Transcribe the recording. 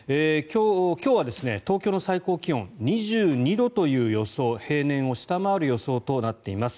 今日は東京の最高気温２２度という予想平年を下回る予想となっています。